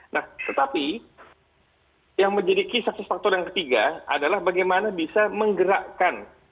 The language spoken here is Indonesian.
nah tetapi yang menjadi key succes factor yang ketiga adalah bagaimana bisa menggerakkan